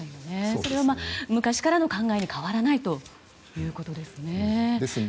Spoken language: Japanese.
それは昔からの考えで変わらないということですね。